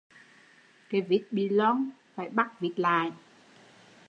Cái vít bị loong phải bắt vít lại